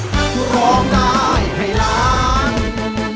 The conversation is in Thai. เพลงที่๑มูลค่า๕๐๐๐บาท